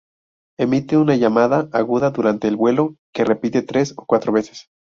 Emite una llamada aguda, durante el vuelo, que repite tres o cuatro veces.